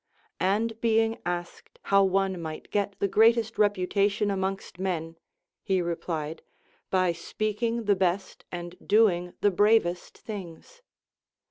And being asked how one might get the greatest reputation amongst men, he replied, By speaking the best and doing the bravest things.